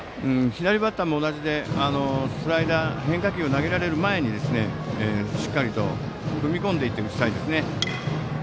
左バッターも同じでスライダーなど変化球を投げられる前にしっかり踏み込んでいって打ちたいです。